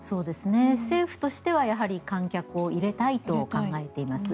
政府としてはやはり観客を入れたいと考えています。